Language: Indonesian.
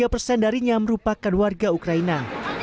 delapan puluh tiga persen darinya merupakan warga ukraina